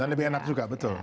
dan lebih enak juga betul